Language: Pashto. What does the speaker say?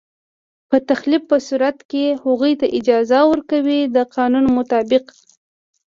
په تخلف په صورت کې هغوی ته جزا ورکوي د قانون مطابق.